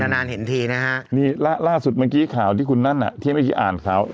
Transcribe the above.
นานเห็นทีนะคะ